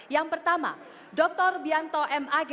yang pertama dr bianto mag